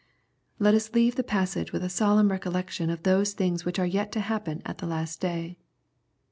Let us leave the passage with a solemn recollection of those things which are yet to happen at the last day.